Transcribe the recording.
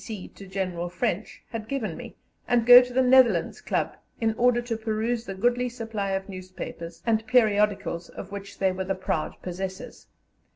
D.C. to General French, had given me, and go to the Netherlands Club in order to peruse the goodly supply of newspapers and periodicals of which they were the proud possessors.